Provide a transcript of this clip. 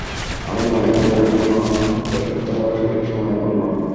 আমি মনে করি, আমার জন্য অন্তঃসত্ত্বা হওয়ার সঠিক সময় এখন নয়।